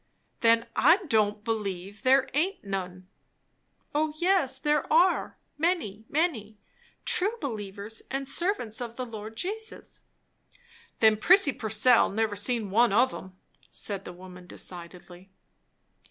"Then I don't believe there aint none." "O yes, there are! Many, many. True believers and servants of the Lord Jesus." "Then Prissy Purcell never see one of 'em," said the woman decidedly.